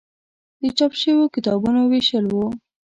د چاپ شویو کتابونو ویشل و.